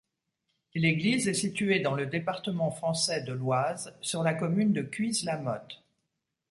L'église est située dans le département français de l'Oise, sur la commune de Cuise-la-Motte.